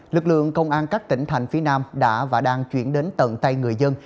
lực lượng công an các tỉnh thành phía nam đã và đang chuyển đến tận tay người dân